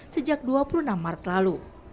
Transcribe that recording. sejak dua puluh enam maret lalu